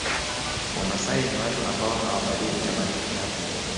Wamasai ni watu wa ambao hawabadili tamaduni zao